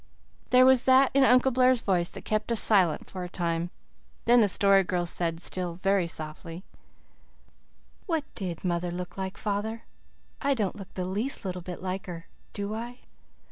There was that in Uncle Blair's voice that kept us silent for a time. Then the Story Girl said, still very softly: "What did mother look like, father? I don't look the least little bit like her, do I?"